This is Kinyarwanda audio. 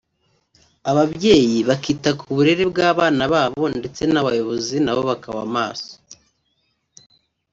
ababyeyi bakita ku burere bw’abana babo ndetse n’abayobozi nabo bakaba maso